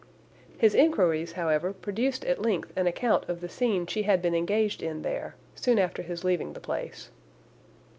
His enquiries, however, produced at length an account of the scene she had been engaged in there, soon after his leaving the place.